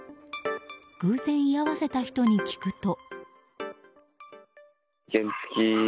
偶然居合わせた人に聞くと。